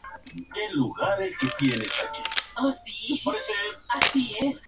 En secano hay olivos y almendros.